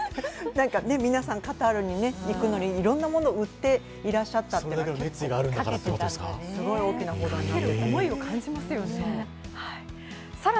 皆さん、カタールに行くのにいろんなもの売っていらっしゃったというのはすごい大きな報道になってた。